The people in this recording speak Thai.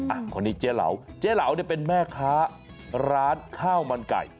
อ่ะคนนี้เจ๊เหลาเจ๊เหลาเนี่ยเป็นแม่ค้าร้านข้าวมันไก่